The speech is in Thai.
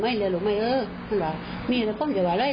เอามาตามเรามันจะก็ไม่โยคเลย